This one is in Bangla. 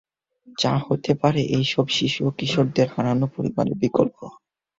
যা হতে পারে ঐসব শিশু ও কিশোরদের হারানো পরিবারের বিকল্প।